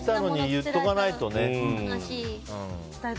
言っとかないとね。